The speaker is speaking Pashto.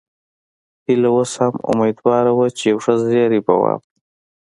هيله اوس هم اميدواره وه چې یو ښه زیری به واوري